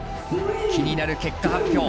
気になる結果発表。